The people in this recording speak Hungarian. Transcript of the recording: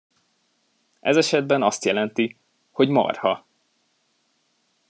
Ez esetben azt jelenti, hogy marha!